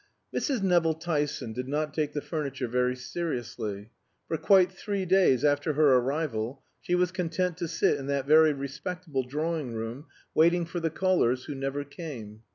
Mrs. Nevill Tyson did not take the furniture very seriously. For quite three days after her arrival she was content to sit in that very respectable drawing room, waiting for the callers who never came.